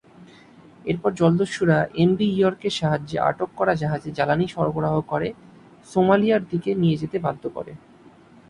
এরপর জলদস্যুরা এমভি ইয়র্কের সাহায্যে আটক করা জাহাজে জ্বালানি সরবরাহ করে সোমালিয়ার দিকে নিয়ে যেতে বাধ্য করে।